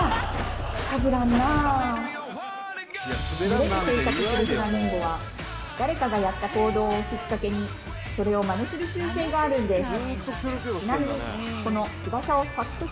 群れで生活するフラミンゴは誰かがやった行動をきっかけにそれをマネする習性があるんです